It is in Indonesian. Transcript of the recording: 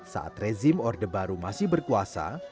saat rezim orde baru masih berkuasa